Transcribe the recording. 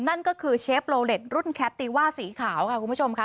นั่นก็คือเชฟโลเล็ตรุ่นแคปตีว่าสีขาวค่ะคุณผู้ชมค่ะ